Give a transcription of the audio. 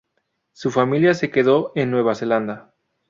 Su familia se quedó en Nueva Zelanda.